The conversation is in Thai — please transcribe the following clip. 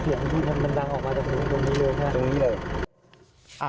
เสียงกล้องดังออกมาในกลุ่มนี้เลยครับ